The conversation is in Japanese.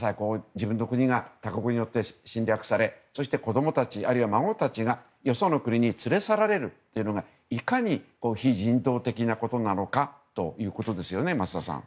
自分の国が他国によって侵略されそして子供たち、孫たちがよその国に連れ去られるというのがいかに非人道的なことなのかということですね、増田さん。